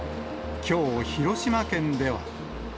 きょう、広島県では。